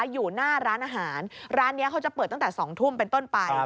อยู่หน้าร้านอาหารร้านนี้เขาจะเปิดตั้งแต่๒ทุ่มเป็นต้นไป